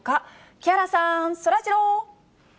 木原さん、そらジロー。